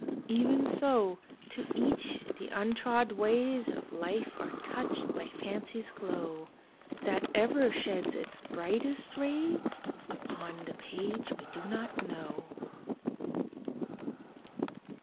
Even so to each the untrod ways Of life are touched by fancy's glow, That ever sheds its brightest rays Upon the page we do not know!